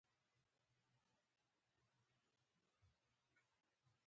د دوی راز ښکاره کېږي.